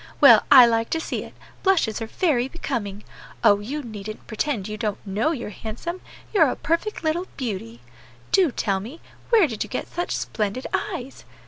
Well, I like to see it; blushes are very becoming. Oh! you needn't pretend you don't know you're handsome; you're a perfect little beauty. Do tell me, where did you get such splendid eyes!